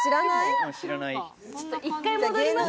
１回戻ります。